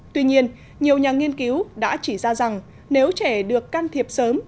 tuy nhiên nhiều nhà nghiên cứu đã chỉ ra rằng nếu trẻ được can thiệp sớm